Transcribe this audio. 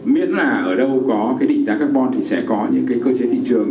miễn là ở đâu có cái định giá carbon thì sẽ có những cái cơ chế thị trường